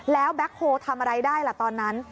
แล้วแบ็คโฮลทำอะไรได้ล่ะตอนนั้น